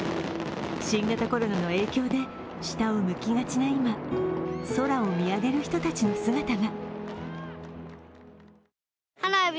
新型コロナの影響で下を向きがちな今空を見上げる人たちの姿が。